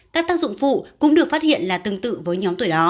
các tác dụng phụ cũng được phát hiện là tương tự với nhóm tuổi đó